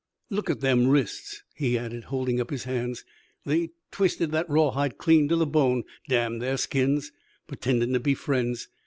"Look at them wrists," he added, holding up his hands. "They twisted that rawhide clean to the bone, damn their skins! Pertendin' to be friends!